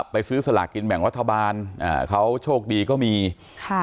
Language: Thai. ไปซื้อสลากกินแบ่งรัฐบาลอ่าเขาโชคดีก็มีค่ะ